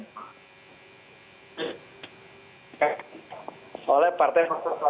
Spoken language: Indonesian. eh oleh partai